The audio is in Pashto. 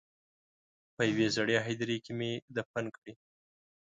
په یوې زړې هدیرې کې مې دفن کړې.